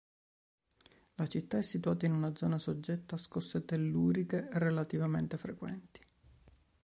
La città è situata in una zona soggetta a scosse telluriche relativamente frequenti.